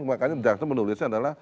makanya jaksa menulisnya adalah